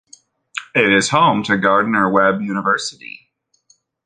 It is home to Gardner-Webb University.